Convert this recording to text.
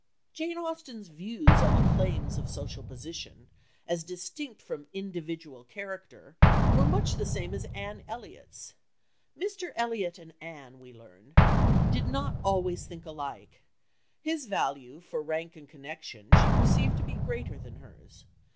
Jane Austen's views on the claims of social position, as distinct from individual character, were much the same as Anne Elliot's. Mr. Elliot and Anne, we learn "Did not always think alike. His value for rank and connection she perceived to be greater than hers.